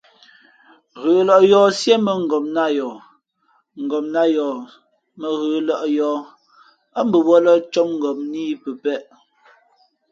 Ghə̌lᾱʼ yǒh siēmbᾱ ngopnā yoh, ngopnā yoh mᾱ ghə̌lᾱʼ yǒh, ά mbαwᾱlᾱ cōp ngopnā ī pəpēʼ.